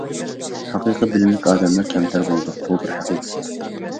ھەقىقىي بىلىملىك ئادەملەر كەمتەر بولىدۇ. بۇ بىر ھەقىقەت.